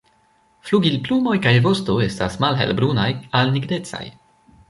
Flugilplumoj kaj vosto estas malhelbrunaj al nigrecaj.